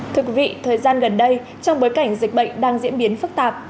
thực vị thời gian gần đây trong bối cảnh dịch bệnh đang diễn biến phức tạp